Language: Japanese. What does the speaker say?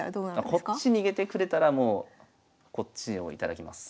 こっち逃げてくれたらもうこっちを頂きます。